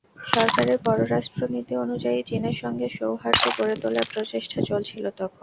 সরকারের পররাষ্ট্রনীতি অনুযায়ী চীনের সঙ্গে সৌহার্দ্য গড়ে তোলার প্রচেষ্টা চলছিল তখন।